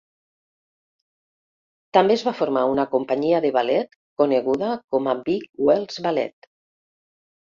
També es va formar una companyia de ballet, coneguda com a Vic-Wells ballet.